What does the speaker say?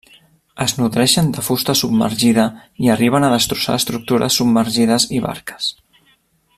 Es nodreixen de fusta submergida i arriben a destrossar estructures submergides i barques.